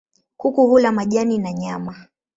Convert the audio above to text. Kuku hula majani na nyama.